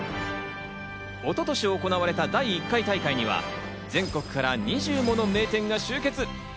一昨年行われた第１回大会には全国から２０もの名店が集結。